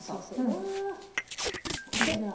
うわ！こちら。